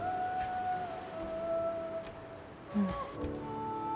うん。